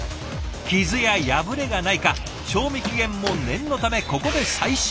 傷や破れがないか賞味期限も念のためここで最終チェック。